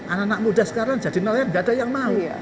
anak anak muda sekarang jadi nelayan nggak ada yang mau